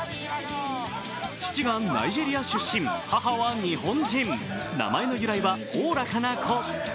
父がナイジェリア出身、母は日本人名前の由来はおおらかな子。